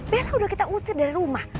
bella udah kita usir dari rumah